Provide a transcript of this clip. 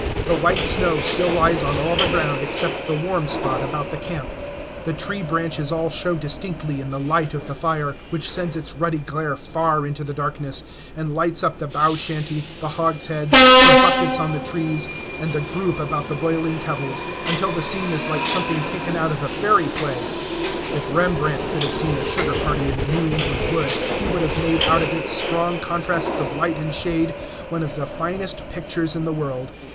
The white snow still lies on all the ground except the warm spot about the camp. The tree branches all show distinctly in the light of the fire, which sends its ruddy glare far into the darkness, and lights up the bough shanty, the hogsheads, the buckets on the trees, and the group about the boiling kettles, until the scene is like something taken out of a fairy play. If Rembrandt could have seen a sugar party in a New England wood, he would have made out of its strong contrasts of light and shade one of the finest pictures in the world.